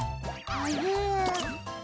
あれ？